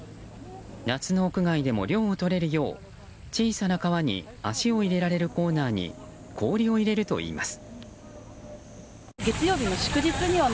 夏の屋外でも涼をとれるよう小さな川に足を入れられるコーナーに氷を入れるといいます。